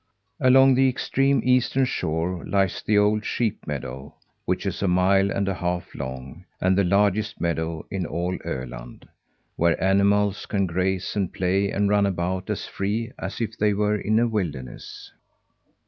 Along the extreme eastern shore lies the old sheep meadow, which is a mile and a half long, and the largest meadow in all Öland, where animals can graze and play and run about, as free as if they were in a wilderness.